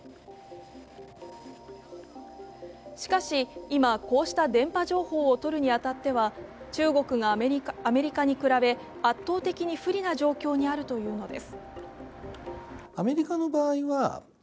しかし今、こうした電波情報を取るに当たっては中国がアメリカに比べ圧倒的に不利な状況にあるというのです。